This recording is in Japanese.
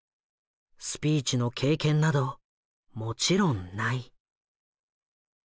スピーチの経験などもちろんない。